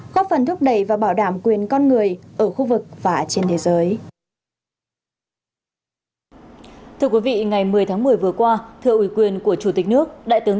góp phần thúc đẩy và bảo đảm quyền con người ở khu vực và trên thế giới